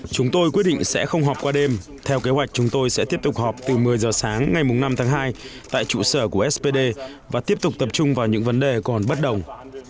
chúng tôi quyết định sẽ không họp qua đêm theo kế hoạch chúng tôi sẽ tiếp tục họp từ một mươi giờ sáng ngày năm tháng hai tại trụ sở của spd và tiếp tục tập trung vào những vấn đề còn bất đồng